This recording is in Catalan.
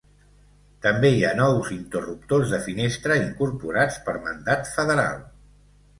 També hi ha nous interruptors de finestra incorporats per mandat federal.